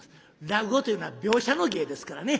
落語というのは描写の芸ですからね。